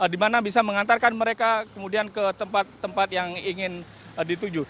di mana bisa mengantarkan mereka kemudian ke tempat tempat yang ingin dituju